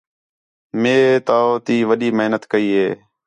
مئے تَو تی وݙی محنت کَئی ہِے